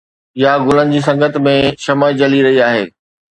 يا گلن جي سنگت ۾ شمع جلي رهي آهي؟